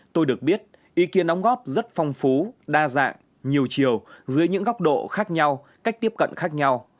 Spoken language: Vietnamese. tôi được biết ý kiến đóng góp rất phong phú đa dạng nhiều chiều dưới những góc độ khác nhau cách tiếp cận khác nhau